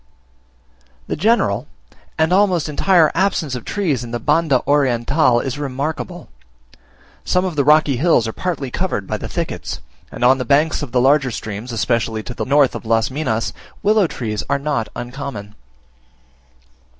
The general, and almost entire absence of trees in Banda Oriental is remarkable. Some of the rocky hills are partly covered by thickets, and on the banks of the larger streams, especially to the north of Las Minas, willow trees are not uncommon.